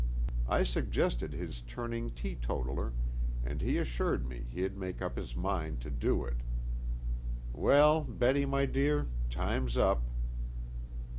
I suggested his turning teetotaler, and he assured me he'd made up his mind to it. Well, Betty my dear, time's up."